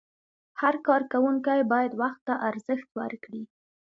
هر کارکوونکی باید وخت ته ارزښت ورکړي.